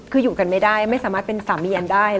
คืออยู่กันไม่ได้ไม่สามารถเป็นสามีแอนได้